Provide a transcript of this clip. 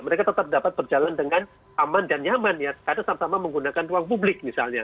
mereka tetap dapat berjalan dengan aman dan nyaman ya karena sama sama menggunakan ruang publik misalnya